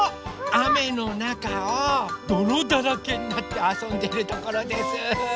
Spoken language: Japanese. あめのなかをどろだらけになってあそんでるところです。